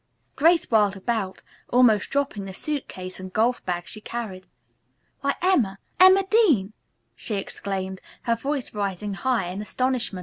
Grace whirled about, almost dropping the suit case and golf bag she carried. "Why, Emma, Emma Dean!" she exclaimed, her voice rising high in astonishment.